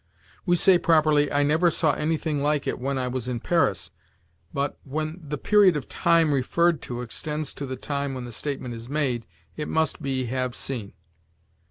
We say properly, "I never saw anything like it when I was in Paris"; but, when the period of time referred to extends to the time when the statement is made, it must be have seen.